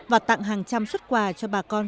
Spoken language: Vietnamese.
và tặng hàng trăm xuất quà cho bà con